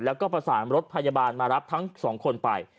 แล้วก็ประสานรถพยาบาลมารับทั้งสองคนไป